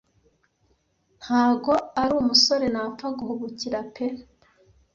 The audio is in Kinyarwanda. ntago arumusore napfa guhubukira pe